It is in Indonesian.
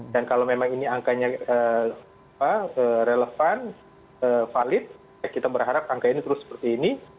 kalau memang ini angkanya relevan valid kita berharap angka ini terus seperti ini